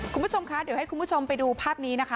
คุณผู้ชมคะเดี๋ยวให้คุณผู้ชมไปดูภาพนี้นะคะ